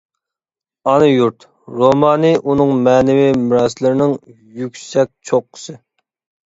«ئانا يۇرت» رومانى ئۇنىڭ مەنىۋى مىراسلىرىنىڭ يۈكسەك چوققىسى.